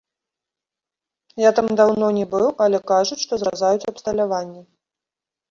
Я там даўно не быў, але кажуць, што зразаюць абсталяванне.